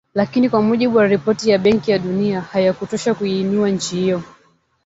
Lakini kwa mujibu wa ripoti ya Benki ya Dunia hayakutosha kuiinua nchi hiyo